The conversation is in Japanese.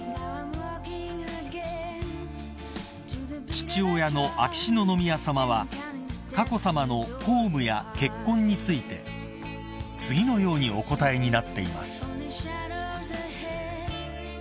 ［父親の秋篠宮さまは佳子さまの公務や結婚について次のようにお答えになっています］